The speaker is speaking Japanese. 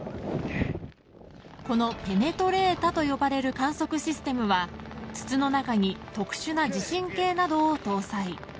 このペネトレータと呼ばれる観測システムは筒の中に特殊な地震計などを搭載。